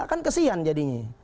kan kesian jadinya